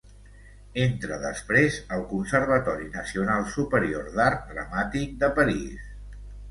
Entra després al Conservatori nacional superior d'art dramàtic de París.